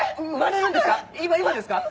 今ですか